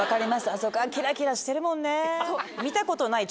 あそこはキラキラしてるもんね。